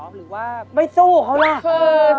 หรือว่าไปสู้เขาหรอ